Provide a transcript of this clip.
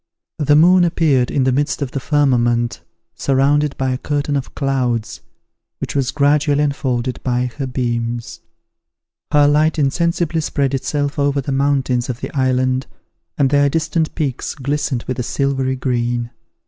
The moon appeared in the midst of the firmament, surrounded by a curtain of clouds, which was gradually unfolded by her beams. Her light insensibly spread itself over the mountains of the island, and their distant peaks glistened with a silvery green.